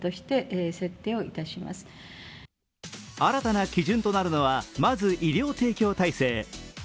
新たな基準となるのは、まず医療提供体制。